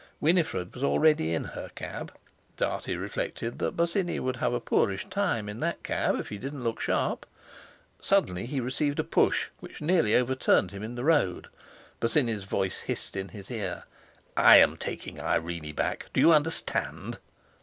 Winifred was already in her cab. Dartie reflected that Bosinney would have a poorish time in that cab if he didn't look sharp! Suddenly he received a push which nearly overturned him in the road. Bosinney's voice hissed in his ear: "I am taking Irene back; do you understand?"